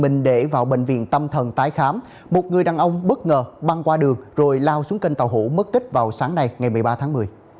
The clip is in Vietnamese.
mình để vào bệnh viện tâm thần tái khám một người đàn ông bất ngờ băng qua đường rồi lao xuống kênh tàu hủ mất tích vào sáng nay ngày một mươi ba tháng một mươi